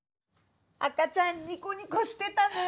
赤ちゃんニコニコしてたね！